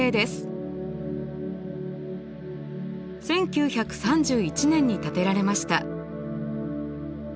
１９３１年に建てられました。